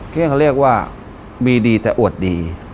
ที่เขาเรียกว่ามีดีแต่อวดดี